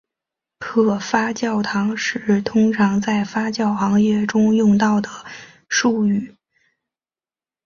可发酵糖是通常在发酵行业用到的术语。